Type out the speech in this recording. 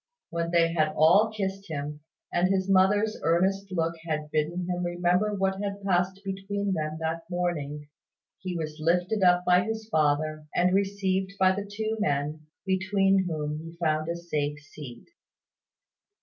When they had all kissed him, and his mother's earnest look had bidden him remember what had passed between them that morning, he was lifted up by his father, and received by the two men, between whom he found a safe seat.